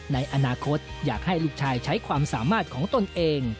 ในอนาคตอยากให้ลูกชายใช้ความสามารถของตนเอง